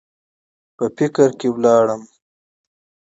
پۀ فکر کښې لاړم ـ